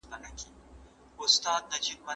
په اسلامي بانکدارۍ کي د سود مخنیوی کیږي.